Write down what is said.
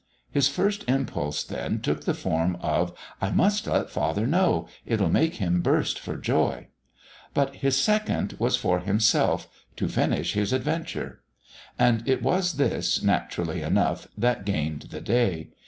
His first impulse, then, took the form of, "I must let Father know; it'll make him burst for joy"; but his second was for himself to finish his adventure. And it was this, naturally enough, that gained the day.